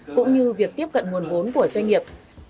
cũng như việc tiếp cận nguồn vốn của doanh nghiệp